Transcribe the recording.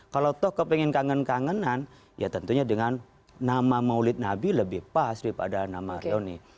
kalau toh kepengen kangen kangenan ya tentunya dengan nama maulid nabi lebih pas daripada nama reuni